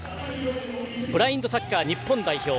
ブラインドサッカー日本代表